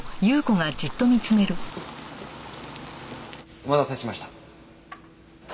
お待たせしました。